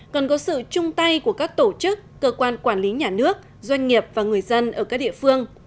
cần có sự chung tay của các tổ chức cơ quan quản lý nhà nước doanh nghiệp và người dân ở các địa phương